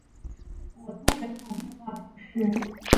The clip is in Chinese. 伯宗人口变化图示